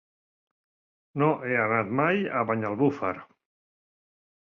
No he anat mai a Banyalbufar.